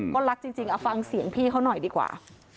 ก็รักจริงเอาฟังเสียงพี่เขาหน่อยดีกว่า